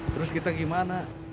terus kita gimana